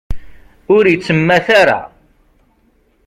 Ur ittemmat ara.